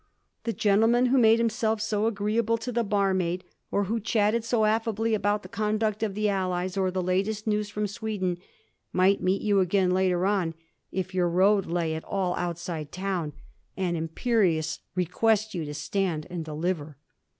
The gentleman who made himself so agreeable to the barmaid, or who chatted so affably about the conduct of the allies or the latest news fi:om Sweden, might meet you again later on if your road lay at all outside town, and imperious Digiti zed by Google 1714 THE MODISH CUPID OF THE DAY. 101 request you to stand and deliver.